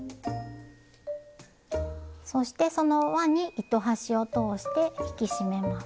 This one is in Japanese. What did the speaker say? そしてその輪に糸端を通して引き締めます。